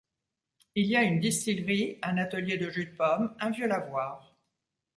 Il y a une distillerie, un atelier de jus de pomme, un vieux lavoir.